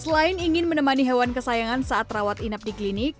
selain ingin menemani hewan kesayangan saat rawat inap di klinik